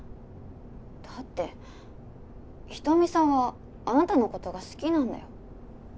だってひとみさんはあなたのことが好きなんだよ？